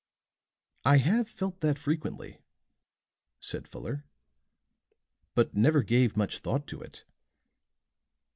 "I have felt that frequently," said Fuller; "but never gave much thought to it.